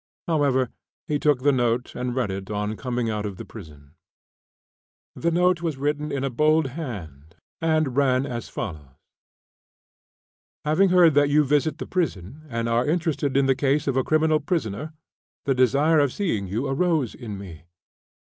However, he took the note and read it on coming out of the prison. The note was written in a bold hand, and ran as follows: "Having heard that you visit the prison, and are interested in the case of a criminal prisoner, the desire of seeing you arose in me.